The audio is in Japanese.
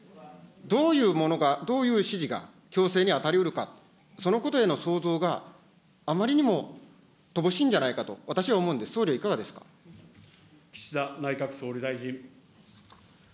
どういうものが、どういう指示が強制に当たりうるか、そのことへの想像があまりにも乏しいんじゃないかと私は思うんで岸田内閣総理大臣。